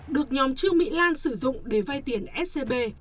được nhóm trương mỹ lan sử dụng để vay tiền scb